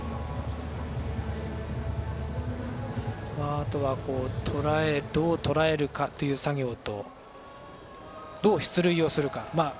あとはどうとらえるかという作業とどう出塁をするか。